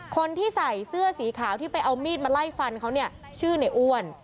คนที่ใส่เสื้อสีขาวที่ไปเอามีดมาไล่ฟันเขาเนี่ยชื่อในอ้วน